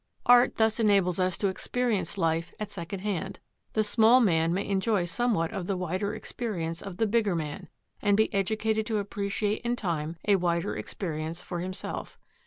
Art thus enables us to experience life at second hand. The small man may enjoy somewhat of the wider experience of the bigger man, and be educated to appreciate in time a wider experience for himself.